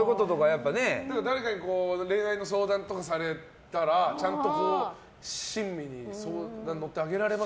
誰かに恋愛の相談とかされたらちゃんと親身に相談に乗ってあげられます？